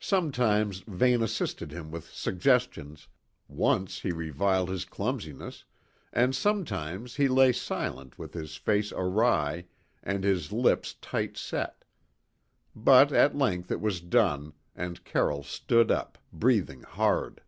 Sometimes Vane assisted him with suggestions once he reviled his clumsiness and sometimes he lay silent with his face awry and his lips tight set; but at length it was done, and Carroll stood up, breathing hard.